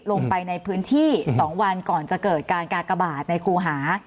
ลงไปในพื้นที่๒วันก่อนจะเกิดการกากบาทในครูหา